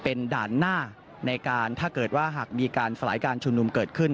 เป็นด่านหน้าในการถ้าเกิดว่าหากมีการสลายการชุมนุมเกิดขึ้น